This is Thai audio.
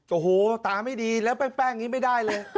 โอ้โหตาไม่ดีแล้วแป้งนี้ไม่ได้เลย